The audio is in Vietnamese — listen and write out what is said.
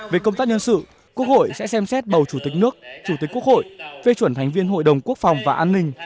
về công tác nhân sự quốc hội sẽ xem xét bầu chủ tịch nước chủ tịch quốc hội phê chuẩn thành viên hội đồng quốc phòng và an ninh